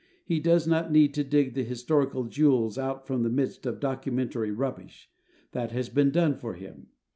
He does not need to dig the historical jewels out from the midst of documentary rubbish; that has been done for him.